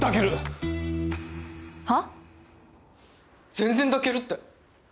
全然抱けるって。